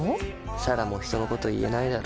彩良も人のこと言えないだろ。